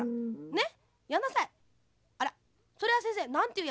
ねっ？